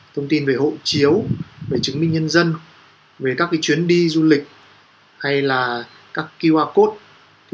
thông tin về hộ chiếu về chứng minh nhân dân về các chuyến đi du lịch hay là các qr code